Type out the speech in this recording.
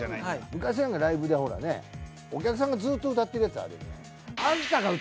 昔なんかライブじゃほらねお客さんがずっと歌ってるやつあるよね。